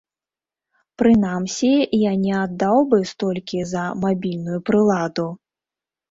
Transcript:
Прынамсі, я не аддаў бы столькі за мабільную прыладу.